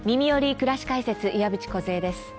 くらし解説」岩渕梢です。